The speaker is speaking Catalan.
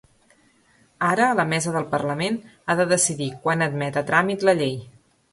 Ara la mesa del parlament ha de decidir quan admet a tràmit la llei.